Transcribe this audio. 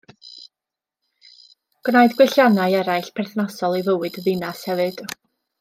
Gwnaed gwelliannau eraill perthnasol i fywyd y ddinas hefyd.